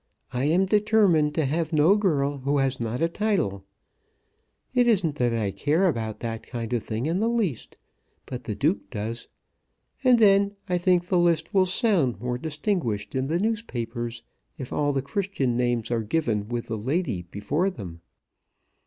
I am determined to have no girl who has not a title. It isn't that I care about that kind of thing in the least, but the Duke does. And then I think the list will sound more distinguished in the newspapers, if all the Christian names are given with the Lady before them.